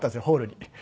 ホールに。